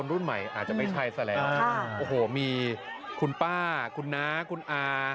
รุ่นใหม่อาจจะไม่ใช่ซะแล้วโอ้โหมีคุณป้าคุณน้าคุณอา